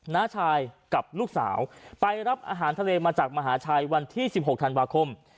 น้าชายกับลูกสาวไปรับอาหารทะเลมาจากมหาชัยวันที่๑๖ธันวาคม